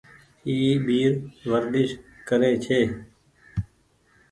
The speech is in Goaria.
اي ٻير ورديش ڪري ڇي۔